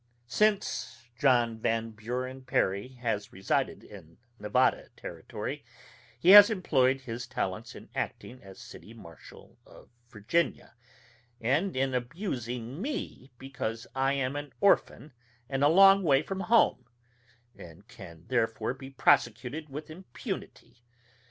Since John Van Buren Perry has resided in Nevada Territory, he has employed his talents in acting as City Marshal of Virginia, and in abusing me because I am an orphan and a long way from home, and can therefore be persecuted with impunity.